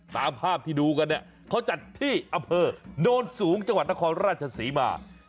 ตามภาพที่ดูกันเนี่ยเขาจัดที่อำเภอโนนสูงจังหวัดนครราชศรีมา